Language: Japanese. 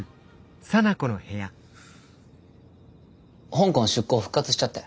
香港出向復活しちゃって。